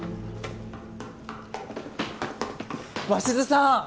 ・鷲津さん